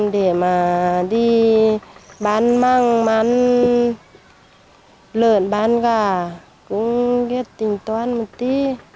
để mà đi bán măng bán lợn bán gà cũng biết tính toán một tí